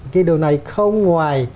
cái điều này không ngoài